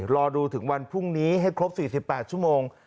รอดูถึงวันพรุ่งนี้ให้ครบ๔๘ชั่วโมง